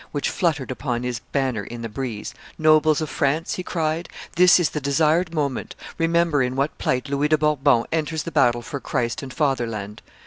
which fluttered upon his banner in the breeze, 'Nobles of France,' he cried, 'this is the desired moment Remember in what plight Louis de Bourbon enters the battle for Christ and fatherland!